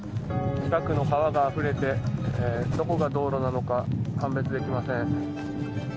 近くの川があふれてどこが道路なのか判別できません。